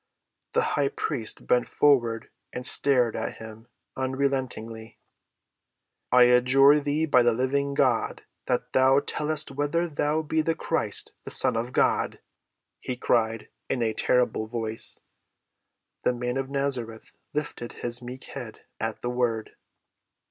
The high priest bent forward and stared at him, unrelentingly. "I adjure thee by the living God, that thou tell us whether thou be the Christ, the Son of God!" he cried in a terrible voice. The Man of Nazareth lifted his meek head at that word.